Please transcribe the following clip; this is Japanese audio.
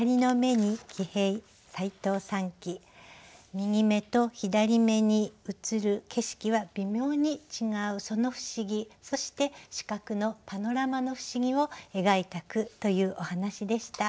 右眼と左眼に映る景色は微妙に違うその不思議そして視覚のパノラマの不思議を描いた句というお話でした。